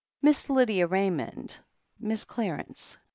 Miss Lydia Ra)rmond — Mrs. Clarence."